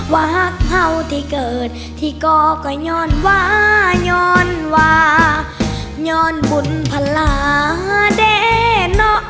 หักเห่าที่เกิดที่ก่อก็ย้อนวาย้อนวาย้อนบุญพลาเด้เนาะ